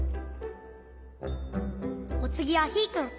おつぎはヒーくん。